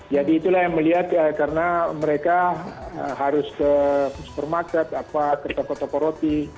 jadi itulah yang melihat karena mereka harus ke supermarket ke toko toko roti